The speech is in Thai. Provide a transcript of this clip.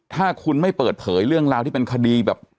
ถ้าคุณไม่เปิดเผยเรื่องราวที่เป็นคดีแบบ